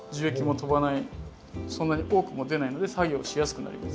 そんなに多くも出ないので作業しやすくなります。